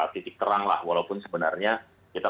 titik terang lah walaupun sebenarnya kita